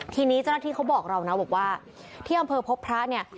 ทีนี้เจ้าหน้าที่เขาบอกเรานะบอกว่าที่อำเภอพบพระเนี่ย